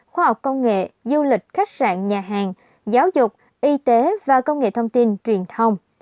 khoa học công nghệ du lịch khách sạn nhà hàng giáo dục y tế và công nghệ thông tin truyền thông